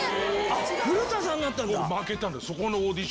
古田さんになったんだ！